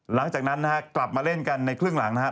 หลังจากนั้นนะฮะกลับมาเล่นกันในครึ่งหลังนะครับ